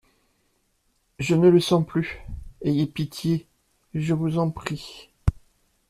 Je ne le sens plus … Ayez pitié, je vous en prie.